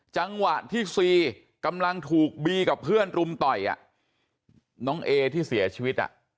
จังหวะที่ซีกำลังถูกบีกับเพื่อนรุมต่อยน้องเอที่เสียชีวิต